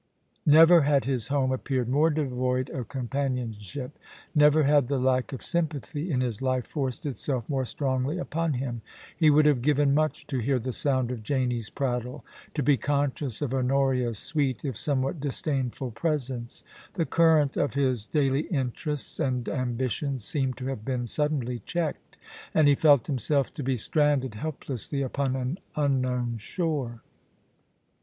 Never had his home appeared more devoid of companion ship : never had the lack of sympathy in his life forced itself more strongly upon him. He would have given much to hear the sound of Janie's prattle — to be conscious of Hono ria's sweet, if somewhat disdainful, presence. The current of his daily interests and ambitions seemed to have been suddenly checked, and he felt himself to be stranded heli> lessly upon an unknown shore.